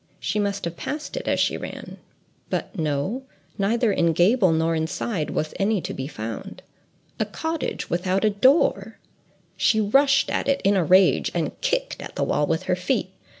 She must have passed it as she ran—but no—neither in gable nor in side was any to be found. A cottage without a door!—she rushed at it in a rage and kicked at the wall with her feet.